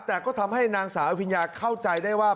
แต่ก็ทำให้นางสาวอวิญญาเข้าใจได้ว่า